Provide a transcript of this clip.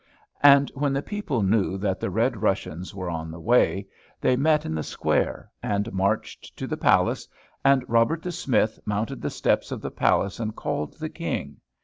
And when the people knew that the Red Russians were on the way, they met in the square and marched to the palace, and Robert the Smith mounted the steps of the palace and called the King.